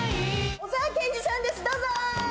小沢健二さんです、どうぞ！